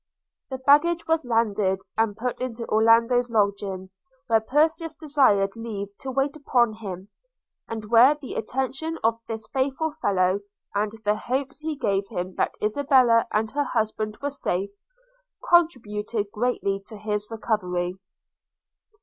The baggage was landed, and put into Orlando's lodging, where Perseus desired leave to wait upon him; and where the attention of this faithful fellow, and the hopes he gave him that Isabella and her husband were safe, contributed greatly to his recovery.